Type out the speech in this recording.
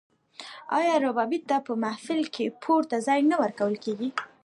آیا ربابي ته په محفل کې پورته ځای نه ورکول کیږي؟